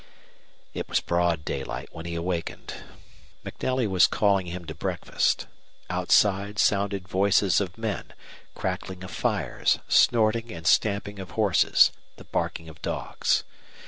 It was broad daylight when he awakened. MacNelly was calling him to breakfast. Outside sounded voices of men, crackling of fires, snorting and stamping of horses, the barking of dogs.